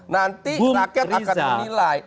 nanti rakyat akan menilai